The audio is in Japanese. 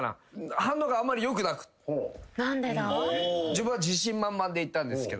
自分は自信満々でいったんですけど。